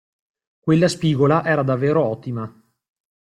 Quella spigola era davvero ottima.